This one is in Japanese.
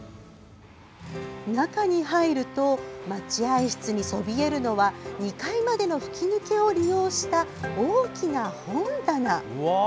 中に入ると待合室にそびえるのは２階までの吹き抜けを利用した大きな本棚。